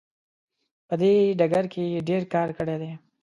په دې ډګر کې یې ډیر کار کړی دی.